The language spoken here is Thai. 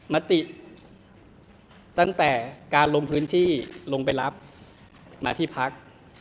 มติตั้งแต่การลงพื้นที่ลงไปรับมาที่พัก